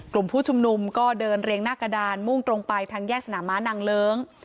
กลุ่มผู้ชุมนุมก็เดินเรียงหน้ากระดานมุ่งตรงไปทางแยกสนามม้านางเลิ้ง